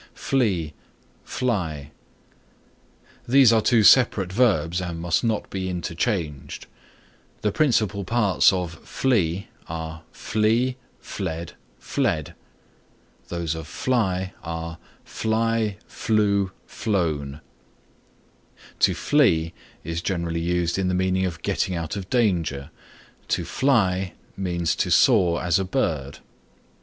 FLEE FLY These are two separate verbs and must not be interchanged. The principal parts of flee are flee, fled, fled; those of fly are fly, flew, flown. To flee is generally used in the meaning of getting out of danger. To fly means to soar as a bird.